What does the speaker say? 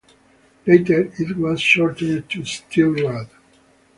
Later it was shortened to "Steele Rudd".